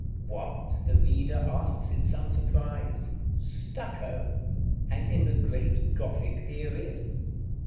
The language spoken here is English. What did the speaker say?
§ XXX. What? the reader asks in some surprise, Stucco! and in the great Gothic period?